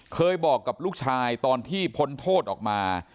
เคยบอกกับลูกชายตอนที่พ้นโทษออกมา